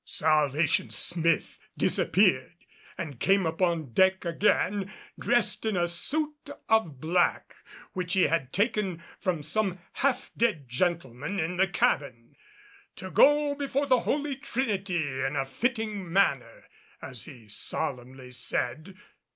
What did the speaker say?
Salvation Smith disappeared, and came upon deck again dressed in a suit of black which he had taken from some half dead gentleman in the cabin, "to go before the Holy Trinity in a fitting manner," as he solemnly said.